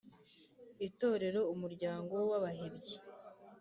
itorero : umuryango w’abahebyi